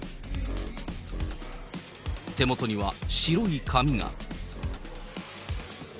手元には白い紙が。